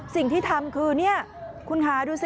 สิ่งที่ทำคือนี่คุณค่ะดูสิ